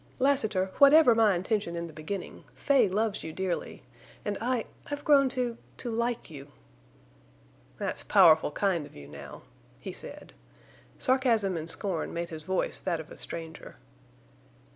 "Lassiter, whatever my intention in the beginning, Fay loves you dearly—and I—I've grown to—to like you." "That's powerful kind of you, now," he said. Sarcasm and scorn made his voice that of a stranger.